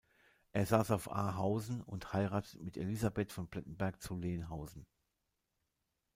Er saß auf Ahausen und heiratet mit Elisabeth von Plettenberg zu Lenhausen.